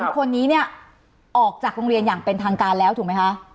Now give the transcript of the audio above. ๓คนนี้เนี่ยออกจากโรงเรียนอย่างเป็นทางการแล้วถูกไหมคะ